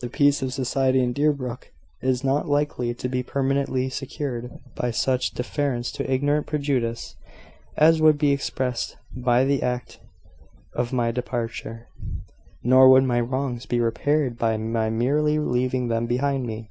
The peace of society in Deerbrook is not likely to be permanently secured by such deference to ignorant prejudice as would be expressed by the act of my departure; nor would my wrongs be repaired by my merely leaving them behind me.